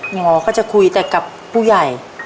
หมอก็จะคุยแต่กับผู้ใหญ่